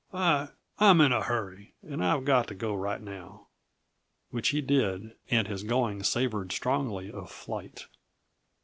I I'm in a hurry, and I've got to go right now." Which he did, and his going savored strongly of flight.